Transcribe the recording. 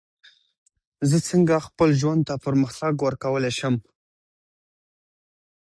دا د نوي عصر غوښتنه ده.